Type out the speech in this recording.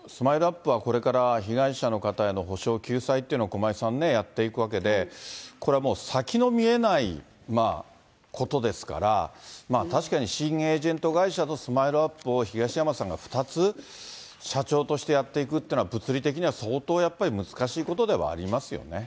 ＵＰ．はこれから被害者の方への補償、救済というのを駒井さんね、やっていくわけで、これはもう、先の見えないことですから、確かに新エージェント会社とＳＭＩＬＥーＵＰ．を東山さんが２つ社長としてやっていくっていうのは、物理的には相当やっぱり難しいことではありますよね。